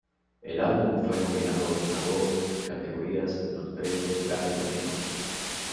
El álbum fue nominado a dos categorías en los Premios Grammy Latino.